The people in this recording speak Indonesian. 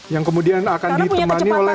yang kemudian akan ditemani oleh